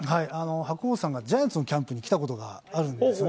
白鵬さんがジャイアンツのキャンプに来たことがあるんですよね。